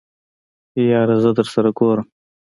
يره زه درسره ګورم.